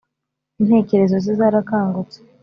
intekerezo ze zarakangutse